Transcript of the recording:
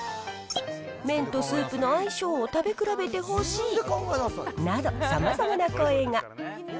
麺とスープの相性を食べ比べてほしいなど、さまざまな声が。